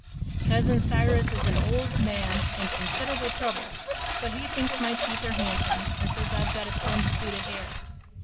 Cousin Cyrus is an old man an' consid'able trouble, but he thinks my teeth are handsome an' says I've got a splendid suit of hair.